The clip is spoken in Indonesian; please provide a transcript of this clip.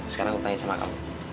sekarang mau tanya sama kamu